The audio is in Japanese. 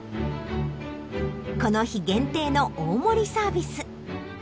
この日限定の大盛りサービス。